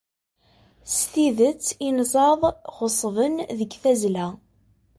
S tidet, inzaḍ ɣeṣṣben deg tazzla.